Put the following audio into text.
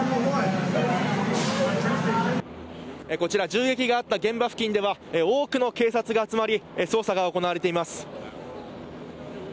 銃撃があった現場付近では多くの警察が集まり捜査が行われています。